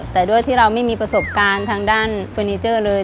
แต่ด้วยที่เราไม่มีประสบการณ์ทางด้านเฟอร์นิเจอร์เลย